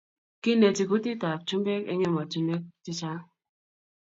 kiineti kutitab chumbek eng emetinwogik chechang